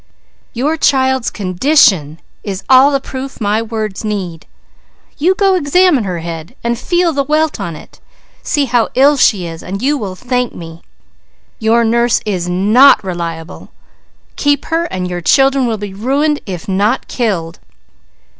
'Your child's condition is all the proof my words need. You go examine her head, and feel the welt on it; see hew ill she is and you will thank me. Your nurse is not reliable! Keep her and your children will be ruined, if not killed.'